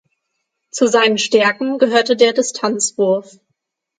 Zu seinen Stärken gehörte der Distanzwurf.